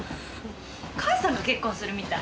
お母さんが結婚するみたい。